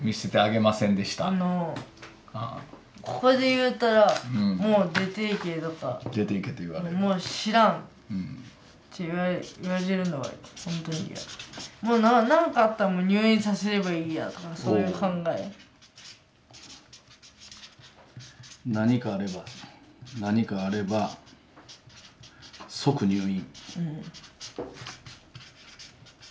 ここで言うたら何かあれば何かあれば即入院。